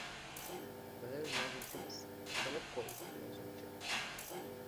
Biz yozuvchimiz, bilib qo‘y, yozuvchi!